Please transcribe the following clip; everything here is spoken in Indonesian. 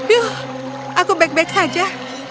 yuk aku baik baik saja